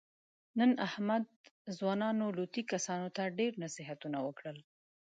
نن احمد ځوانو لوطي کسانو ته ډېر نصیحتونه وکړل.